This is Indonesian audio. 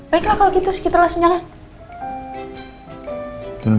baiklah kalau gitu sih kita langsung jalan